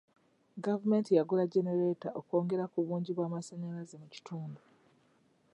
Gavumenti yagula genereeta okwongera ku bungi bw'amasanyalaze mu kitundu.